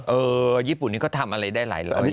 เออญี่ปุ่นนี่เขาทำอะไรได้หลายละอย่าง